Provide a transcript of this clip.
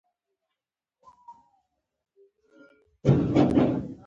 ورو يې وویل: کارېز ته مازديګر ناوخته لاړم.